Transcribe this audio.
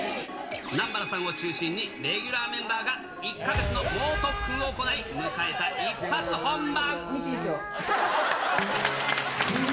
南原さんを中心に、レギュラーメンバーが、１か月の猛特訓を行い、迎えた一発本番。